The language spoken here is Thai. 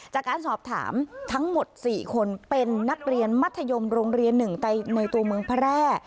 จากการสอบถามทั้งหมด๔คนเป็นนักเรียนมัธยมโรงเรียน๑ในตัวเมืองแพร่